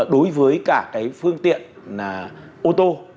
đối với cả cái phương tiện ô tô